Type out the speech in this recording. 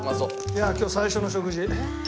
いや今日最初の食事。